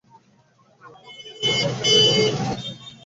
ভ্রাম্যমাণ আদালত পরিচালনা করেও বালু তোলা বন্ধ করা যাচ্ছে না।